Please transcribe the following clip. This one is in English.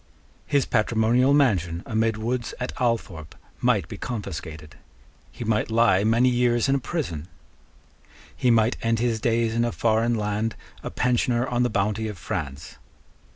His patrimonial mansion amid woods at Althorpe might be confiscated. He might lie many years in a prison. He might end his days in a foreign land a pensioner on the bounty of France.